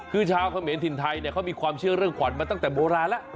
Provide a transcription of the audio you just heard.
คือชาวเขมรถิ่นไทยเขามีความเชื่อเรื่องขวัญมาตั้งแต่โบราณแล้ว